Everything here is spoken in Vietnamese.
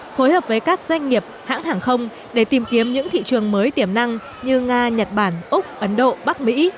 phối hợp với các doanh nghiệp hãng hàng không để tìm kiếm những thị trường mới tiềm năng như nga nhật bản úc ấn độ bắc mỹ